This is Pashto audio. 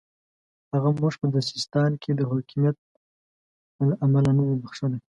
هغه موږ په سیستان کې د حکمیت له امله نه دی بخښلی.